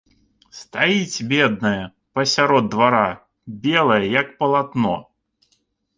Стаіць, бедная, пасярод двара белая як палатно.